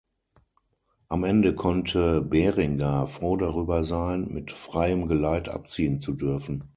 Am Ende konnte Berengar froh darüber sein mit freiem Geleit abziehen zu dürfen.